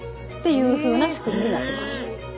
いうふうな仕組みになっています。